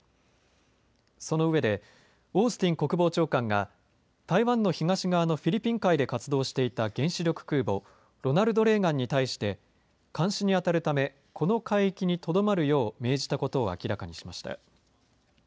その上で、オースティン国防長官が、台湾の東側のフィリピン海で活動していた原子力空母ロナルド・レーガンに対して、監視に当たるため、この海域にとどまるよう命じたことを明らかにしました。